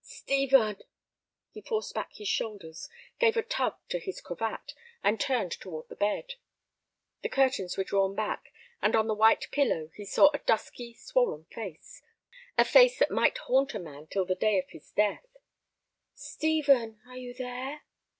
"Stephen!" He forced back his shoulders, gave a tug to his cravat, and turned toward the bed. The curtains were drawn back, and on the white pillow he saw a dusky, swollen face—a face that might haunt a man till the day of his death. "Stephen, are you there?"